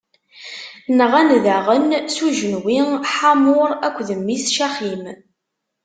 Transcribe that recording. Nɣan daɣen s ujenwi, Ḥamur akked mmi-s Caxim.